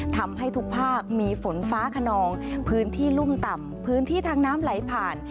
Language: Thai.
ทำให้ทุกภาคมีฝนฟ้าขนองพื้นที่รุ่มต่ำพื้นที่ทางน้ำไหลผ่าน